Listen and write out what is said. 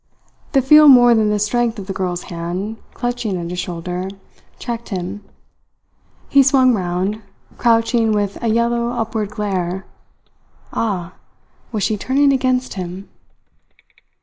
The feel more than the strength of the girl's hand, clutching at his shoulder, checked him. He swung round, crouching with a yellow upward glare. Ah! Was she turning against him?